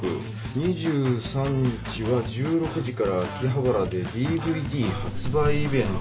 ２３日は１６時から秋葉原でＤＶＤ発売イベントがあって。